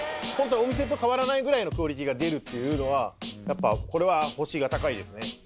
お店と変わらないぐらいのクオリティーが出るっていうのはやっぱこれは星が高いですね。